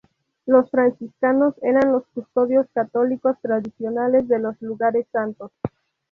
Los franciscanos eran los custodios católicos tradicionales de los lugares santos.